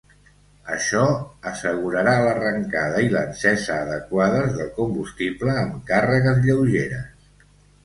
Això "assegurarà l'arrencada i l'encesa adequades del combustible amb càrregues lleugeres".